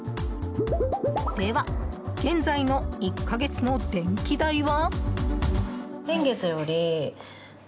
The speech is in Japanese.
では、現在の１か月の電気代は？